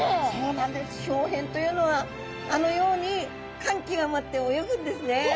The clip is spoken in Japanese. ひょう変というのはあのように感極まって泳ぐんですね。